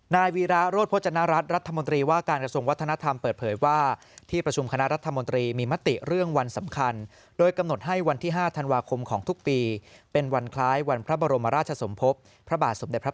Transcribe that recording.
นายวีรารถโภชนารัฐรัฐมนตรีว่าการกระทรวงวัฒนธรรมเปิดเผยว่า